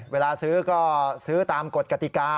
เวลาซื้อก็ซื้อตามกฎกติกา